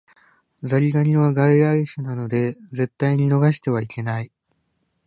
ザリガニは外来種なので絶対に逃してはいけない